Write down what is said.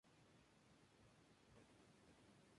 Boheme nació en Oshkosh, Wisconsin.